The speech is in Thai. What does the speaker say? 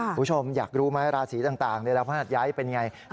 คุณผู้ชมอยากรู้มั้ยราศรีต่างในราศรีย้ายเป็นอย่างไร